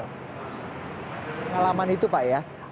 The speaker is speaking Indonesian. pengalaman itu pak ya